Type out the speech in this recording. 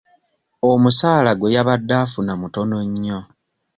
Omusaala gwe yabadde afuna mutono nnyo .